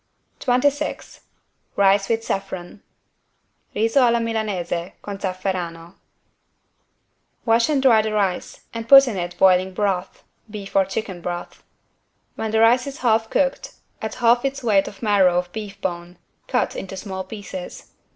26 RICE WITH SAFFRON (Riso alla Milanese con Zafferano) Wash and dry the rice and put it in boiling broth (beef or chicken broth). When the rice is half cooked add half its weight of marrow of beef bone, cut into small pieces.